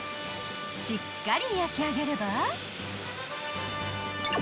［しっかり焼き上げれば］